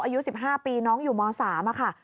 อายุ๑๕ปีน้องอยู่ม๓ค่ะ